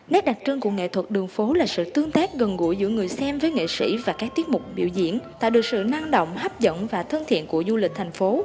nét đặc trưng của nghệ thuật đường phố là sự tương tác gần gũi giữa người xem với nghệ sĩ và các tiết mục biểu diễn tạo được sự năng động hấp dẫn và thân thiện của du lịch thành phố